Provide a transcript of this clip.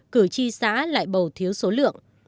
cử tri xã lại bầu thiếu số lượng